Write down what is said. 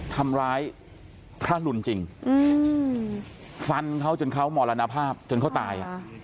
ทำร้ายพระรุนจริงฟันเขาจนเขามรณภาพจนเขาตาย